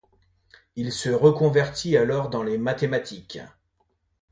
Il se reconvertit alors dans les mathématiques.